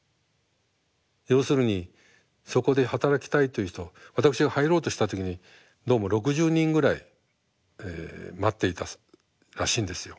要するにそこで働きたいという人私が入ろうとした時にどうも６０人ぐらい待っていたらしいんですよ。